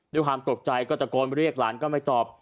ด้วยความตกใจก็ตะโกนเรียกหลานก็ไม่ตอบ